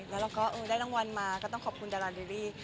แล้วเราก็ได้รางวัลมาก็ต้องขอบคุณดารานเดวี่